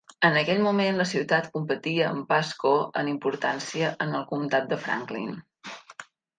En aquell moment la ciutat competia amb Pasco en importància en el comtat de Franklin.